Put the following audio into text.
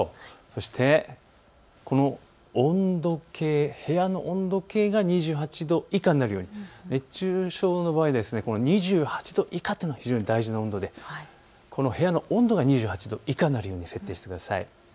そして温度計、部屋の温度計が２８度以下になるように、熱中症の場合は２８度以下というのが大事な温度で部屋の温度が２８度以下になるように設定してください。